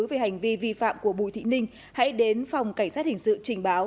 về hành vi vi phạm của bùi thị ninh hãy đến phòng cảnh sát hình sự trình báo